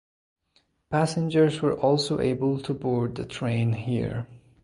Passengers were also able to board the train here.